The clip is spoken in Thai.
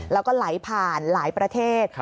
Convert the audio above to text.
แล้วก็ไหลผ่านหลายประเทศ